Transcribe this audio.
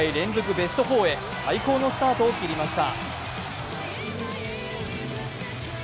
ベスト４へ、最高のスタートを切りました。